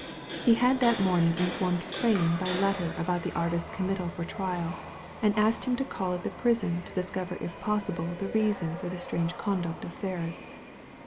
He had that morning informed Prain by letter about the artist's committal for trial, and asked him to call at the prison to discover if possible the reason for the strange conduct of Ferris.